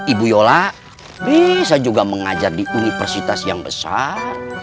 ibu yola bisa juga mengajar di universitas yang besar